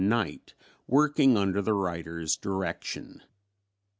Knight working under the writer's direction.